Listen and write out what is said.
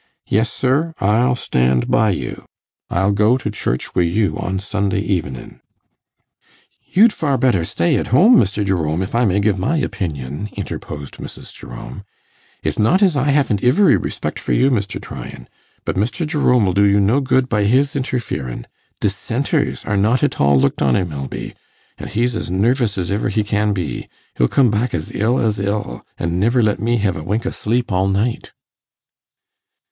Yes, sir, I'll stan' by you. I'll go to church wi' you o' Sunday evenin'.' 'You'd far better stay at home, Mr. Jerome, if I may give my opinion,' interposed Mrs. Jerome. 'It's not as I hevn't ivery respect for you, Mr. Tryan, but Mr. Jerome 'ull do you no good by his interferin'. Dissenters are not at all looked on i' Milby, an' he's as nervous as iver he can be; he'll come back as ill as ill, an' niver let me hev a wink o' sleep all night.